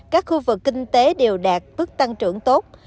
các khu vực kinh tế đều đạt mức tăng trưởng tốt